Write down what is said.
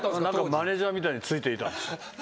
マネジャーみたいについていたんです。